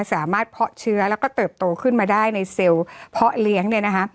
เพาะเชื้อแล้วก็เติบโตขึ้นมาได้ในเซลล์เพาะเลี้ยงเนี่ยนะคะ